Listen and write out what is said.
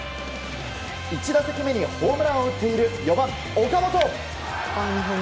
１打席目にホームランを打っている４番、岡本。